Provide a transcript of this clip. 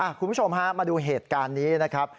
คุณผู้ชมฮะมาดูเหตุการณ์นี้นะครับ